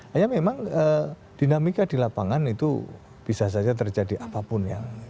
hanya memang dinamika di lapangan itu bisa saja terjadi apapun ya